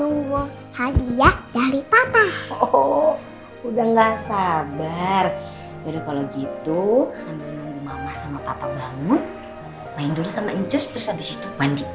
udah nggak sabar kalau gitu main dulu sama itu